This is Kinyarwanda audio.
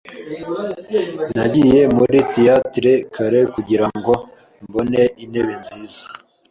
Nagiye muri theatre kare kugirango mbone intebe nziza.